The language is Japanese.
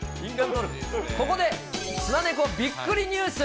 ここでスナネコびっくりニュース。